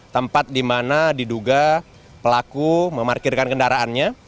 tempat di mana diduga pelaku memarkirkan kendaraannya